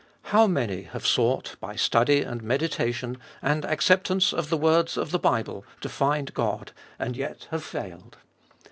How many have sought by study and meditation and ac ceptance of the words of the Bible to find God, and yet have failed.